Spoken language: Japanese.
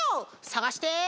さがして。